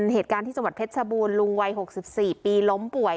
เหตุการณ์ที่จังหวัดเพชรชบูรณลุงวัย๖๔ปีล้มป่วย